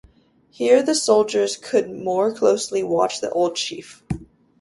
Here the soldiers could more closely watch the old chief.